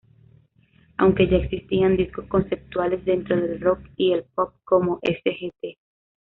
Aunque ya existían discos conceptuales dentro del rock y el pop, como "Sgt.